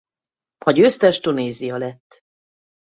A győztes Tunézia lett.